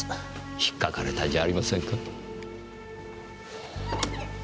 引っかかれたんじゃありませんか？